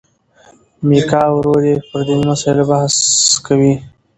میکا او ورور یې پر دیني مسلو بحث کوي.